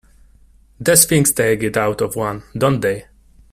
These things take it out of one, don't they?